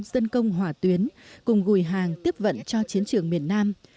dân công hỏa tuyến cùng gùi hàng tiếp vận cho chiến trường miền nam